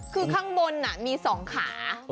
คือข้างบนมี๒ขา